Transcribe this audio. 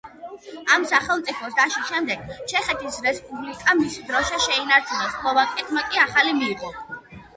ამ სახელმწიფოს დაშლის შემდეგ, ჩეხეთის რესპუბლიკამ მისი დროშა შეინარჩუნა, სლოვაკეთმა კი ახალი მიიღო.